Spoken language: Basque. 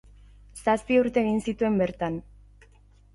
Zazpi urte egin zituen bertan.